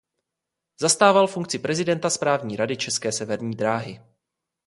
Zastával funkci prezidenta správní rady České severní dráhy.